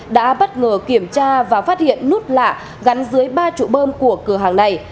đã bất ngờ kiểm tra và phát hiện nút lạ gắn dưới ba trụ bơm của cửa hàng này